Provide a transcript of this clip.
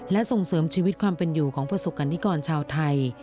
และส่งเสริมชีวิตความเป็นอยู่ของประสบกรณิกรชาวไทย